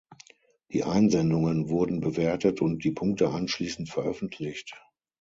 Die Einsendungen wurden bewertet und die Punkte anschließend veröffentlicht.